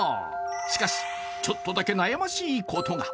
しかし、ちょっとだけ悩ましいことが。